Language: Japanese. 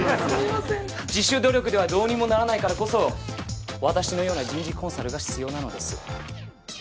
自主努力ではどうにもならないからこそ私のような人事コンサルが必要なのです。